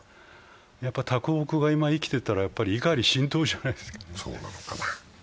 啄木が今生きていたら怒り心頭じゃないですか。